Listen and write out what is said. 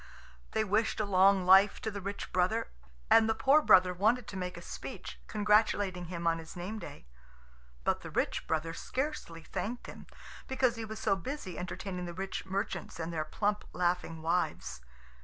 They wished a long life to the rich brother, and the poor brother wanted to make a speech, congratulating him on his name day. But the rich brother scarcely thanked him, because he was so busy entertaining the rich merchants and their plump, laughing wives.